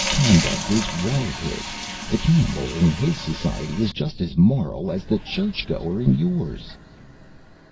Conduct is relative. The cannibal in his society is just as moral as the churchgoer in yours."